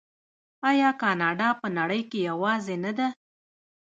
آیا کاناډا په نړۍ کې یوازې نه ده؟